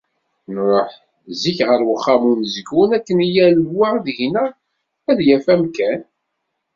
Nruḥ zik ɣer uxxam umezgun akken yal wa deg-neɣ ad yaf amkan.